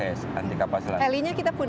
helinya kita punya sekarang